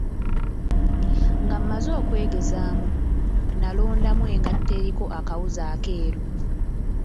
Nga mazze okwegezaamu, nalondamu engatto eriko akawuzi akeeru.